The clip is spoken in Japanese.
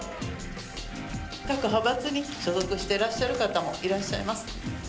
各派閥に所属していらっしゃる方もいらっしゃいます。